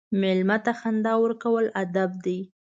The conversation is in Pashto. مېلمه ته خندا ورکول ادب دی.